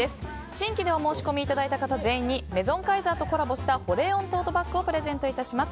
新規でお申し込みいただいた方全員にメゾンカイザーとコラボした保冷温トートバッグをプレゼントいたします。